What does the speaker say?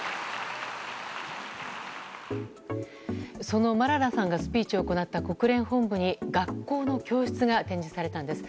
そのマララさんがスピーチを行った国連本部に学校の教室が展示されたんです。